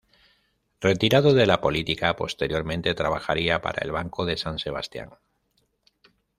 Retirado de la política, posteriormente trabajaría para el Banco de San Sebastián.